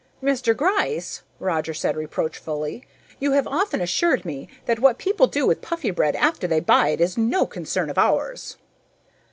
"Mr. Gryce," Roger said reproachfully, "you have often assured me that what people do with Puffybread after they buy it is no concern of ours."